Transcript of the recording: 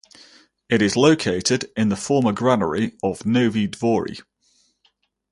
It is located in the former granary of Novi Dvori.